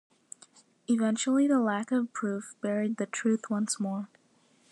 Eventually, the lack of proof buried the truth once more.